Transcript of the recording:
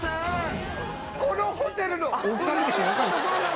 このホテルの。